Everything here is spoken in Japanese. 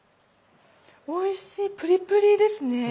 おいしいプリプリですね。